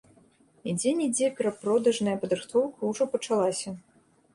І дзе-нідзе перадпродажная падрыхтоўка ўжо пачалася.